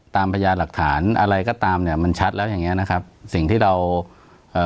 พยายามหลักฐานอะไรก็ตามเนี้ยมันชัดแล้วอย่างเงี้นะครับสิ่งที่เราเอ่อ